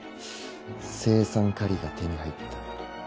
青酸カリが手に入った。